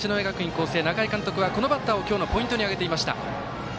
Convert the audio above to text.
光星仲井監督はこのバッターを今日のポイントに挙げていました。